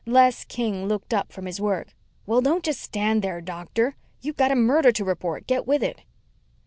Les King looked up from his work. "Well, don't just stand there, Doctor. You've got a murder to report. Get with it."